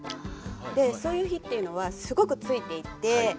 でそういう日っていうのはすごくついていて。